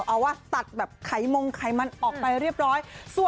เอาว่าตัดแบบไขมงไขมันออกไปเรียบร้อย